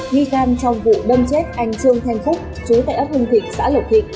nghi can trong vụ đâm chết anh trương thanh phúc chú tại ấp hưng thịnh xã lộc thịnh